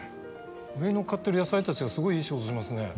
上にのっかってる野菜たちがすごいいい仕事しますね。